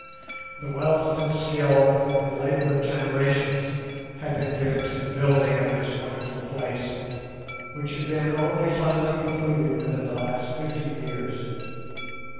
The wealth, and skill, and labour of generations had been given to the building of this wonderful place, which had been only finally completed within the last fifty years.